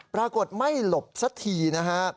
ปรากฏไม่หลบสักทีนะฮะ